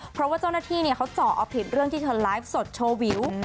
เพราะว่าเจ้าหน้าที่เขาเจาะเอาผิดเรื่องที่เธอไลฟ์สดโชว์วิว